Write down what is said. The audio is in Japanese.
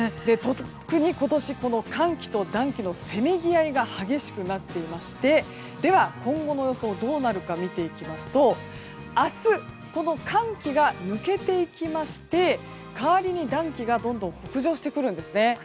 特に今年、寒気と暖気のせめぎ合いが激しくなっていましてでは、今後の予想はどうなるか見ていきますと明日、この寒気が抜けていきまして代わりに暖気がどんどん北上してきます。